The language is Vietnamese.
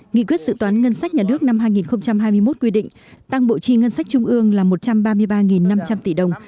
nghị quyết dự toán ngân sách nhà nước năm hai nghìn hai mươi một quy định tăng bộ chi ngân sách trung ương là một trăm ba mươi ba năm trăm linh tỷ đồng